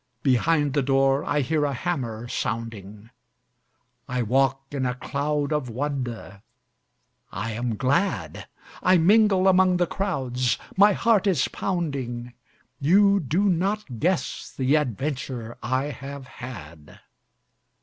Behind the door I hear a hammer sounding. I walk in a cloud of wonder; I am glad. I mingle among the crowds; my heart is pounding; You do not guess the adventure I have had!